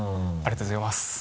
ありがとうございます。